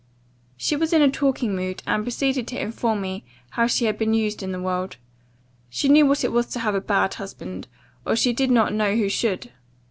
"She was in a talking mood, and proceeded to inform me how she had been used in the world. 'She knew what it was to have a bad husband, or she did not know who should.